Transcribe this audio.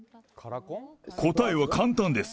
答えは簡単です。